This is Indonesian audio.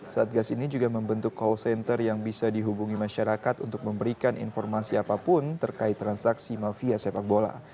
satgas ini juga membentuk call center yang bisa dihubungi masyarakat untuk memberikan informasi apapun terkait transaksi mafia sepak bola